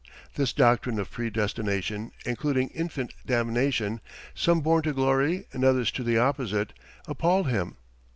This doctrine of predestination, including infant damnation some born to glory and others to the opposite appalled him.